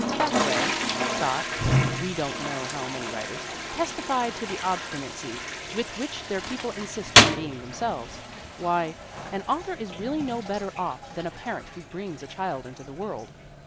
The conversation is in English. Thackeray, Scott we don't know how many writers testify to the obstinacy with which their people insist on being themselves. Why, an author is really no better off than a parent who brings a child into the world.